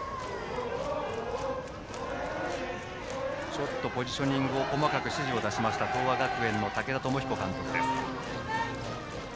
ちょっとポジショニング細かく指示を出しました東亜学園の武田朝彦監督です。